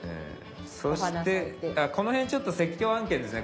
そしてこの辺ちょっと「説教案件」ですね。